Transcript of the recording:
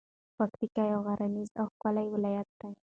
پکتیکا یو غرنیز او ښکلی ولایت ده.